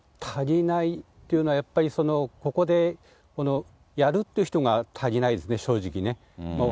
足りないっていうのは、やっぱりここでやるっていう人が足りないですね、正直ね。